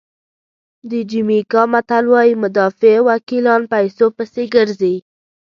د جمیکا متل وایي مدافع وکیلان پیسو پسې ګرځي.